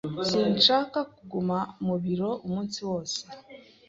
Sinshaka kuguma mu biro umunsi wose.